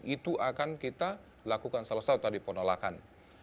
itu akan kita lakukan selesai tadi penolakan